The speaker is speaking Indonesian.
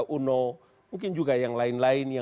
pada akhirnya kan saya bilang bahwa